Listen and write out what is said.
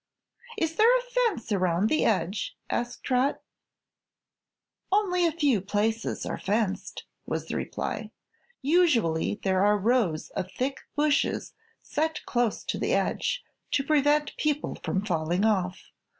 "Is there a fence around the edge?" asked Trot. "Only a few places are fenced," was the reply. "Usually there are rows of thick bushes set close to the edge, to prevent people from falling off.